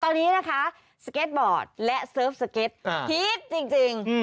ตอนนี้นะคะสเก็ตบอร์ดและเซิร์ฟสเก็ตฮิตจริง